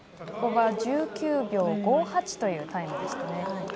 ここが１９秒５８というタイムでした。